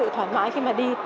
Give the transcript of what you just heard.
sự thoải mái khi mà đi